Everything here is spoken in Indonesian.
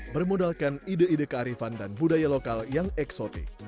bermodalkan ide ide kearifan dan budaya lokal yang eksotik